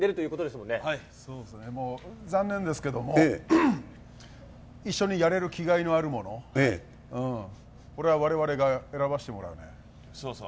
もう残念ですけども、一緒にやれる気概のある者、これはわれわれが選ばしてもらうそうそう。